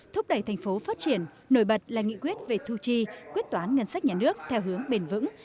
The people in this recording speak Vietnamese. thúc đẩy thành phố phát triển nổi bật là nghị quyết về thu chi quyết toán ngân sách nhà nước theo hướng bền vững